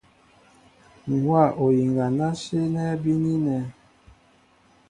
Ǹ hówa oyiŋga ná sínɛ́ bínínɛ̄.